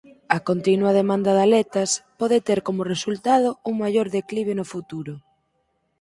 A continua demanda de aletas pode ter como resultado un maior declive no futuro.